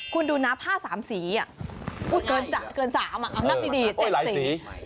คุณดูนับ๕๓สีอ่ะเกิน๓อ่ะนับดี๗สี